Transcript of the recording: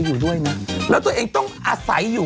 อยู่กันยังไงก็ไม่รู้